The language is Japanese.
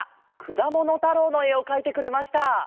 「くだものたろう」のえをかいてくれました。